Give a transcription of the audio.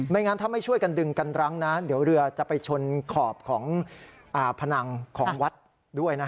งั้นถ้าไม่ช่วยกันดึงกันรั้งนะเดี๋ยวเรือจะไปชนขอบของพนังของวัดด้วย